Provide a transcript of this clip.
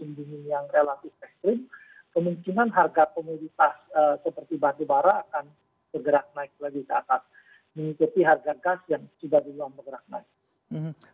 mengikuti harga gas yang juga belum bergerak naik